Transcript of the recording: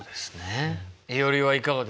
いおりはいかがでしたか？